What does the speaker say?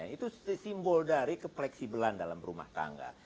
itu simbol dari kepleksibelan dalam rumah tangga